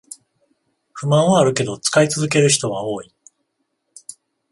不満はあるけど使い続ける人は多い